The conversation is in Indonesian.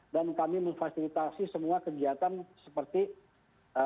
dan kami memfasilitasi semua kegiatan seperti ini